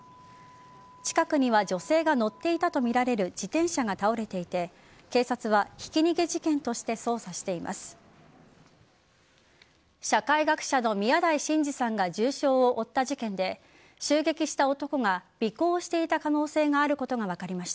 近くには女性が乗っていたとみられる自転車が倒れていて警察はひき逃げ事件として捜査しています。